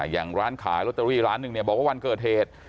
อย่างร้านขายลอตเตอรี่ร้านหนึ่งบอกว่าวันเกิดเหตุ